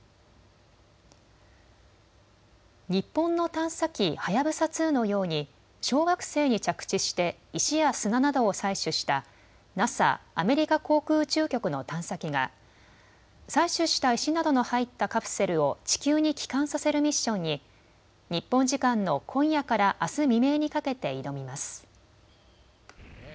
日本の探査機、はやぶさ２のように小惑星に着地して石や砂などを採取したＮＡＳＡ・アメリカ航空宇宙局の探査機が採取した石などの入ったカプセルを地球に帰還させるミッションに日本時間の今夜からあす未明にかけて挑みます。